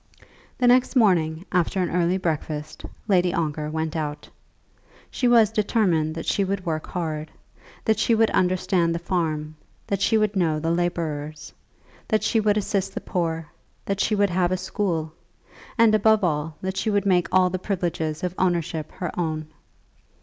The next morning, after an early breakfast, Lady Ongar went out. She was determined that she would work hard; that she would understand the farm; that she would know the labourers; that she would assist the poor; that she would have a school; and, above all, that she would make all the privileges of ownership her own.